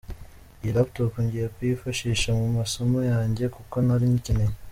Iyi laptop ngiye kuyifashisha mu masomo yanjye kuko nari nyikeneye.